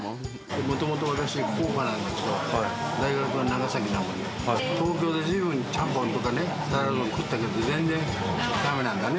もともと私、福岡なんですけど、大学は長崎なので、東京でずいぶんちゃんぽんとかね、皿うどん食ったけど、全然だめなんだね。